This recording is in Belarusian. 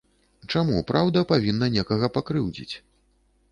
Чаму праўда павінна некага пакрыўдзіць?